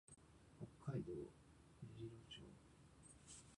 北海道根室市